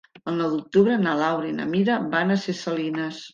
El nou d'octubre na Laura i na Mira van a Ses Salines.